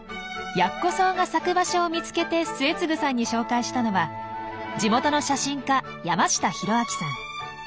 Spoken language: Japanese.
ヤッコソウが咲く場所を見つけて末次さんに紹介したのは地元の写真家山下大明さん。